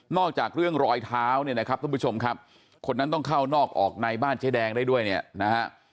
อกจากเรื่องรอยเท้าเนี่ยนะครับท่านผู้ชมครับคนนั้นต้องเข้านอกออกในบ้านเจ๊แดงได้ด้วยเนี่ยนะฮะ